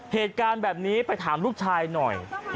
เหตุการณ์แบบนี้ไปถามลูกชายหน่อย